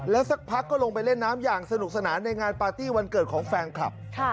สักพักก็ลงไปเล่นน้ำอย่างสนุกสนานในงานปาร์ตี้วันเกิดของแฟนคลับ